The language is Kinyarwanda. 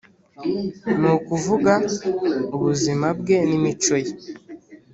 ni ukuvuga ubuzima bwe n imico ye